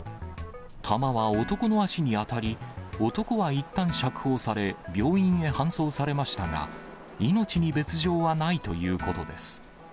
弾は男の脚に当たり、男はいったん釈放され、病院へ搬送されましたが、命に別状はないということです。